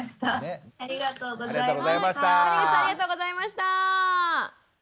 谷口さんありがとうございました。